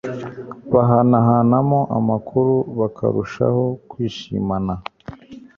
bahanahanamo amakuru bakarushaho kwishimana